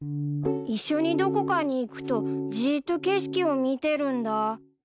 一緒にどこかに行くとじーっと景色を見てるんだ。